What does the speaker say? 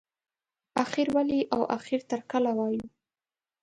اخر ولې او اخر تر کله وایو.